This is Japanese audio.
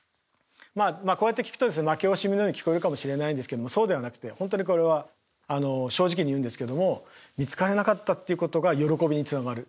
こうやって聞くと負け惜しみのように聞こえるかもしれないんですけどもそうではなくて本当にこれは正直に言うんですけども見つからなかったっていうことが喜びにつながる。